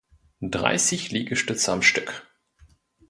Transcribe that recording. Dreißig Liegestütze am Stück!